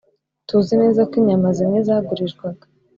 Tuzi neza ko inyama zimwe zagurishwaga